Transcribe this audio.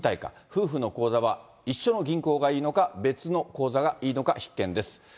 夫婦の口座は一緒の銀行がいいのか、別の口座がいいのか、必見です。